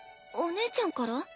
お姉ちゃんから？